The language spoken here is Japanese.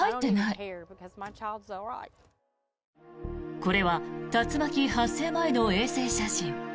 これは竜巻発生前の衛星写真。